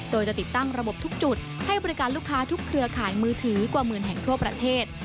โดยจะติดตั้งระบบทุกจุดให้บริการลูกค้าทุกเครือข่ายมือถือกว่าหมื่นแห่งทั่วประเทศ